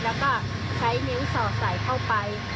แล้วก็ใช้นิ้วสอดใส่เข้าไป